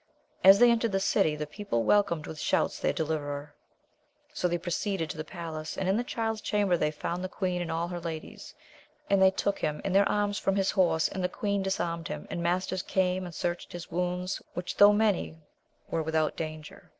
As they entered the city, the people welcomed with shouts their deliverer. So they proceeded to the palace, and in the Child's chamber they found the queen and all her ladies, and they took him in their arms from his horse, and the queen disarmed him, and masters came and searched his wounds, which though many were without danger.